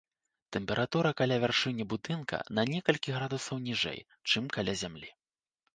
Тэмпература каля вяршыні будынка на некалькі градусаў ніжэй, чым каля зямлі.